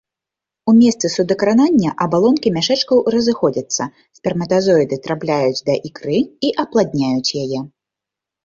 У месцы судакранання абалонкі мяшэчкаў разыходзяцца, сперматазоіды трапляюць да ікры і апладняюць яе.